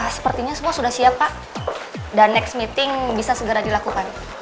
sepertinya semua sudah siap pak dan next meeting bisa segera dilakukan